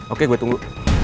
oke gue tunggu